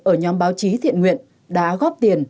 ở nhóm báo chí thiện nguyện đã góp tiền